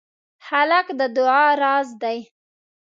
هلک د دعا راز دی.